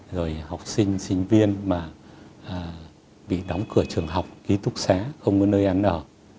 rồi học sinh sinh viên mà bị đóng cửa trường học ký túc xá không có nơi ăn ở